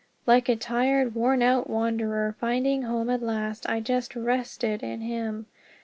Like a tired, worn out wanderer finding home at last I just rested in him.